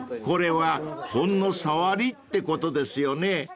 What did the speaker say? ［これはほんのさわりってことですよね］